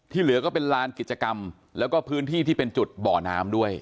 เหลือก็เป็นลานกิจกรรมแล้วก็พื้นที่ที่เป็นจุดบ่อน้ำด้วย